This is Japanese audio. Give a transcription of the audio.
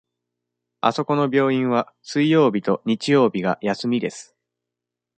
あそこの病院は水曜日と日曜日が休みです。